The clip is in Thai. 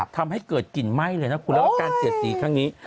ทำให้เกิดกลิ่นไหม้เลยนะคุณแล้วก็การเสียดสีครั้งนี้